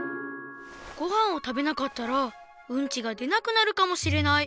ごはんをたべなかったらウンチがでなくなるかもしれない。